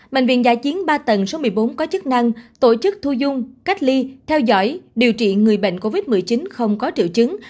bệnh viện giã chiến ba tầng số một mươi bốn có chức năng tổ chức thu dung cách ly theo dõi điều trị người bệnh covid một mươi chín không có triệu chứng